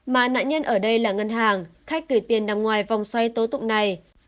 mà nạn nhân ở đây là ngân hàng khách gửi tiền nằm ngoài vòng xoay tố tụng này